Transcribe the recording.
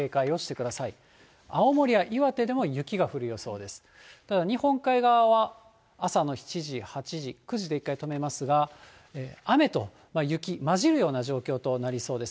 ただ日本海側は朝の７時、８時、９時で一回止めますが、雨と雪、交じるような状況となりそうです。